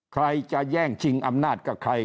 ใครจะแย่งชิงอำนาจกับใคร